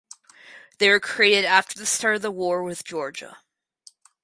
They were created after the start of the war with Georgia.